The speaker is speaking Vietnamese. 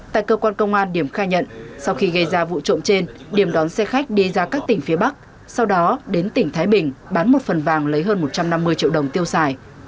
tại cơ quan công an điểm khai nhận sau khi gây ra vụ trộm trên điểm đón xe khách đi ra các tỉnh phía bắc sau đó đến tỉnh thái bình bán một phần vàng lấy hơn một trăm năm mươi triệu đồng tiêu xài